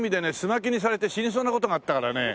巻きにされて死にそうな事があったからね。